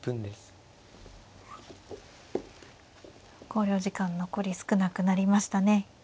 考慮時間残り少なくなりましたね。